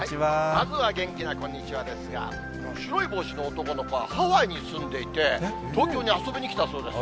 まずは元気なこんにちはですが、白い帽子の男の子はハワイに住んでいて、東京に遊びに来たそうです。